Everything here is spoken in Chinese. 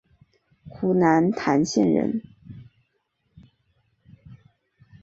湖南澧县人。